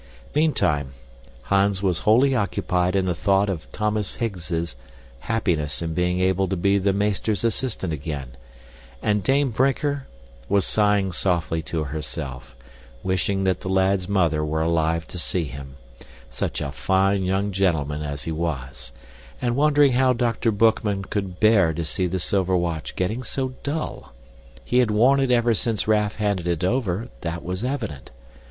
Meantime, Hans was wholly occupied in the thought of Thomas Higgs's happiness in being able to be the meester's assistant again, and Dame Brinker was sighing softly to herself, wishing that the lad's mother were alive to see him such a fine young gentleman as he was and wondering how Dr. Boekman could bear to see the silver watch getting so dull. He had worn it ever since Raff handed it over, that was evident.